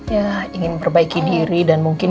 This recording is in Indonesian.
ya ingin memperbaiki diri dan mungkin